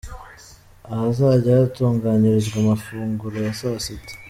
Ahazajya hatunganyirizwa amafunguro ya saa sita.